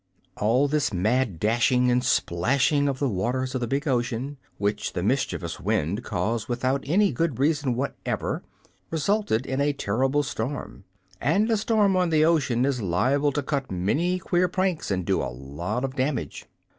All this mad dashing and splashing of the waters of the big ocean, which the mischievous wind caused without any good reason whatever, resulted in a terrible storm, and a storm on the ocean is liable to cut many queer pranks and do a lot of damage.